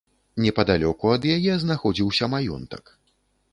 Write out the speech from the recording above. Непадалёку ад яе знаходзіўся маёнтак.